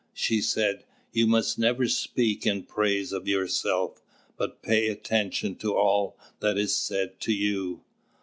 She said: "You must never speak in praise of yourself, but pay attention to all that is said to you.